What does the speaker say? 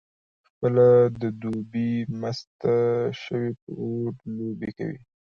څیله د دوبي مسته شوې په اور لوبې کوي